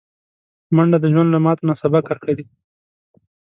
منډه د ژوند له ماتو نه سبق اخلي